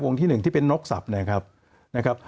วงที่หนึ่งที่เป็นนกศัพท์นะครับ